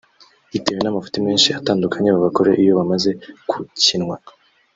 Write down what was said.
bitewe n’amafuti menshi atandukanye babakorera iyo bamaze kukinywa